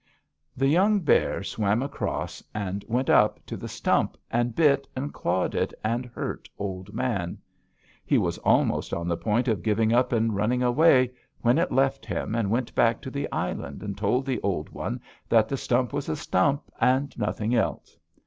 "The young bear swam across and went up to the stump, and bit, and clawed it, and hurt Old Man. He was almost on the point of giving up and running away, when it left him and went back to the island and told the old one that the stump was a stump, and nothing else.